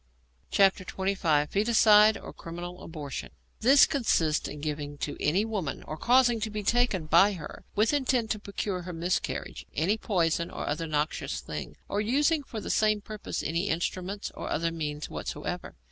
XXV. FOETICIDE, OR CRIMINAL ABORTION This consists in giving to any woman, or causing to be taken by her, with intent to procure her miscarriage, any poison or other noxious thing, or using for the same purpose any instruments or other means whatsoever.